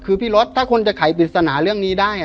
คือพี่รถถ้าคนจะไขปริศนาเรื่องนี้ได้